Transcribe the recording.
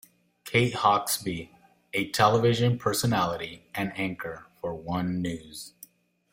Kate Hawkesby, a television personality and anchor for One News.